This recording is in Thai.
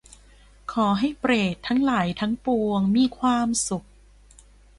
ขอให้เปรตทั้งหลายทั้งปวงมีความสุข